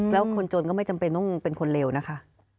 แล้วคนจนก็ไม่จำเป็นต้องเป็นคนเลวนะคะ